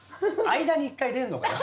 間に１回入れんのかよ。